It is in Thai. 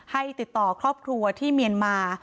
ติดต่อครอบครัวที่เมียนมา